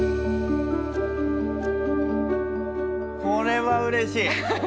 これはうれしい。